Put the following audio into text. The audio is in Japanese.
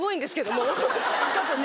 ちょっとね。